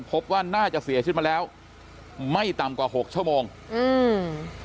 พบว่าน่าจะเสียชีวิตมาแล้วไม่ต่ำกว่าหกชั่วโมงอืม